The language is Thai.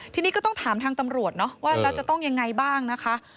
ทีนี้ก็ต้องถามทางตำรวจเนาะว่าเราจะต้องยังไงบ้างนะคะ